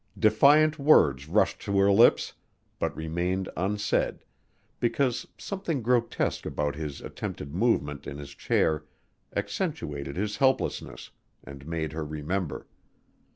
Defiant words rushed to her lips, but remained unsaid, because something grotesque about his attempted movement in his chair accentuated his helplessness and made her remember.